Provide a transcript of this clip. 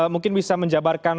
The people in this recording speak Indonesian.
mungkin bisa menjabarkan